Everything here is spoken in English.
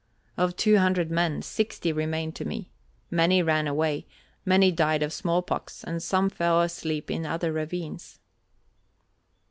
Of two hundred men, sixty remained to me. Many ran away, many died of smallpox, and some fell asleep in other ravines."